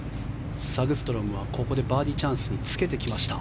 サグストロムはここでバーディーチャンスにつけてきました。